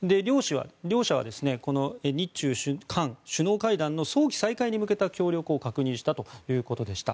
両者は日中韓首脳会談の早期開催に向けた協力を確認したということでした。